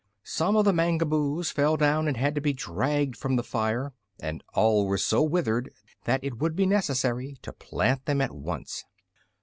Some of the Mangaboos fell down and had to be dragged from the fire, and all were so withered that it would be necessary to plant them at once.